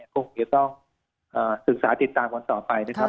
คงจะต้องศึกษาติดตามกันต่อไปนะครับ